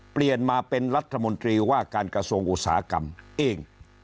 เปลี่ยนมาเป็นรัฐมนตรีว่าการกระทรวงอุตสาหกรรมเอง